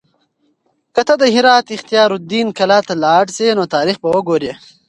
که ته د هرات اختیار الدین کلا ته لاړ شې نو تاریخ به وګورې.